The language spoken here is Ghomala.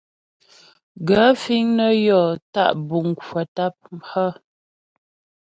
Gaə̂ fíŋ nə́ yɔ́ tá' buŋ kwə̀ tâp hə́ ?